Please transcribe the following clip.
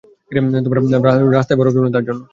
রাস্তায় বরফ জমলে, তার জন্য।